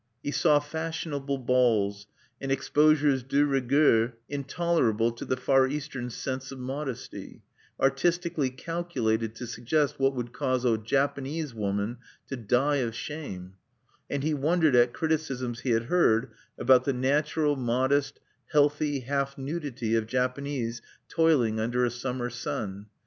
He saw fashionable balls, and exposures de rigueur intolerable to the Far Eastern sense of modesty, artistically calculated to suggest what would cause a Japanese woman to die of shame; and he wondered at criticisms he had heard about the natural, modest, healthy half nudity of Japanese toiling under a summer sun.